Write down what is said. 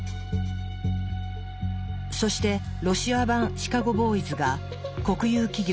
そしてロシア版シカゴ・ボーイズが国有企業